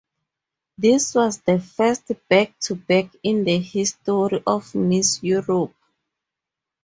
This was the first back to back in the history of Miss Europa.